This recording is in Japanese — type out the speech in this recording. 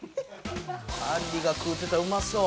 あんりが食うてたらうまそう。